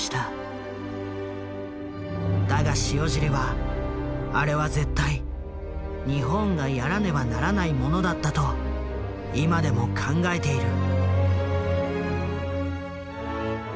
だが塩尻はあれは絶対日本がやらねばならないものだったと今でも考えている。